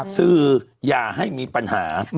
สื่ออย่าให้มีปัญหา